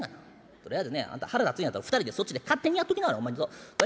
とりあえずねあんた腹立つんやったら２人でそっちで勝手にやっときなはれ。